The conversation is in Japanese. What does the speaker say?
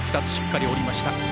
２つ、しっかり降りました。